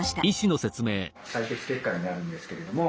採血結果になるんですけれども。